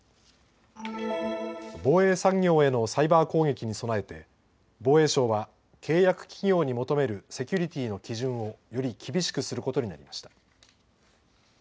防衛産業へのサイバー攻撃に備えて防衛省は契約企業に求めるセキュリティーの基準をより厳しくすることになりました。